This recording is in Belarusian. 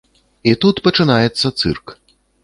І тут пачынаецца цырк.